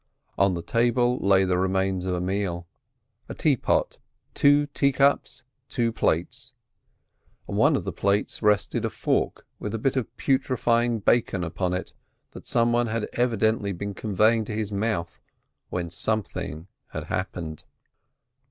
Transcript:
On the table lay the remains of a meal, a teapot, two teacups, two plates. On one of the plates rested a fork with a bit of putrifying bacon upon it that some one had evidently been conveying to his mouth when—something had happened.